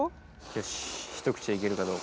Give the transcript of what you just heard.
よし一口でいけるかどうかだな。